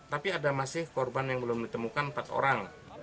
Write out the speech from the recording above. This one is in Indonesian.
tapi ada masih korban yang belum ditemukan empat orang